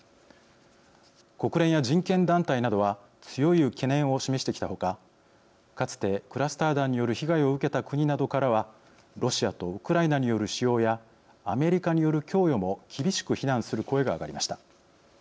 国連や人権団体などは強い懸念を示してきたほかかつてクラスター弾による被害を受けた国などからはロシアとウクライナによる使用やアメリカによる供与も厳しく非難する声が上がりました。